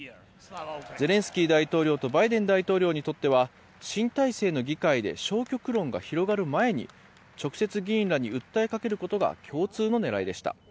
ゼレンスキー大統領とバイデン大統領にとっては新体制の議会で消極論が広がる前に直接、議員らに訴えかけることが共通の狙いでした。